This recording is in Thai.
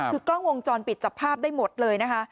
คือกล้องวงจรปิดจับภาพได้หมดเลยนะคะ